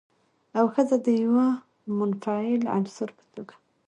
او ښځه د يوه منفعل عنصر په توګه